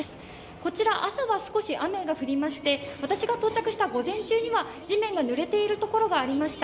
こちら、朝は少し雨が降りまして私が到着した午前中には地面がぬれているところがありました。